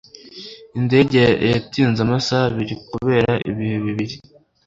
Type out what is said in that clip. indege yatinze amasaha abiri kubera ibihe bibi